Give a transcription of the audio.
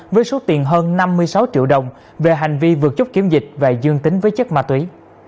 với số tiền hơn năm mươi sáu triệu đồng về hành vi vượt chốt kiểm dịch và dương tính với chất ma túy